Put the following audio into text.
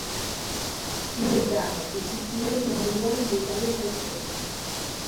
Une gare est située non loin de l'aéroport.